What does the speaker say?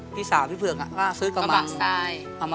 ขี้เนี่ยแหละครับ